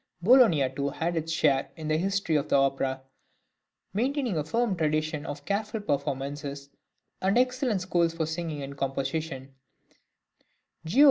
Bologna too had its share in the history of the opera, maintaining a firm tradition of careful performances, and excellent schools for singing and composition; Giov.